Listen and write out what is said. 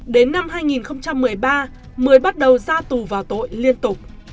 đến năm hai nghìn một mươi ba mười bắt đầu ra tù vào tội liên tục